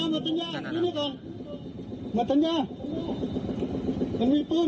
มันมีปืน